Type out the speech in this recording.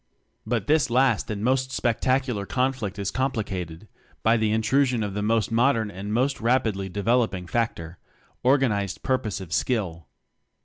But this last and most spectacu!; conflict is complicated by the intru sion of the most modern and most, rapidly developing factor Organizes Purposive Skill.